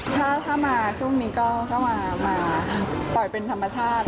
ถ้ามาช่วงนี้ก็มาปล่อยเป็นธรรมชาติ